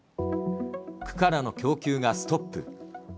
区からの供給がストップ。